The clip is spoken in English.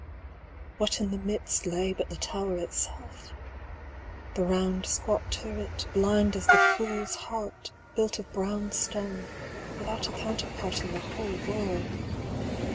180 What in the midst lay but the Tower itself? The round squat turret, blind as the fool's heart, Built of brown stone, without a counterpart In the whole world.